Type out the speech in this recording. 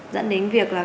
dẫn đến việc là